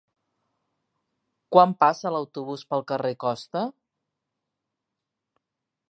Quan passa l'autobús pel carrer Costa?